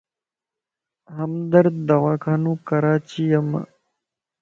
ھمدرد دواخانو ڪراچيم